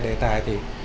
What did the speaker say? đề tài thì